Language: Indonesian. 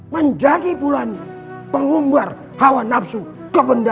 menjadi bulan pengumbar hawa nafsu kebendaan